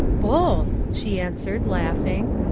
"Both," she answered, laughing.